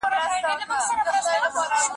دروېشان شاید یواځې په خلوت کې